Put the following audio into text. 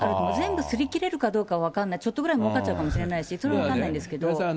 全部すりきれるか分かんない、ちょっとぐらい儲かっちゃうかもしれないし、それは分からないんですけど。